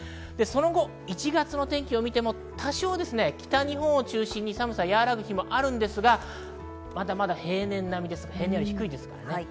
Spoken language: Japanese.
その後、１月の天気を見ても多少、北日本を中心に寒さはやわらぐ日もあるんですが、まだまだ平年並み、平年より低いです。